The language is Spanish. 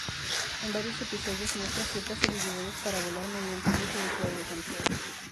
En varios episodios muestra ciertas habilidades para volar mediante el uso de su aire-control.